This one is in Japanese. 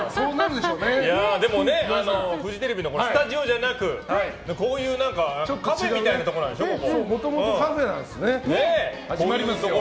でもフジテレビのスタジオじゃなくこういうカフェみたいなところなんでしょ、ここ。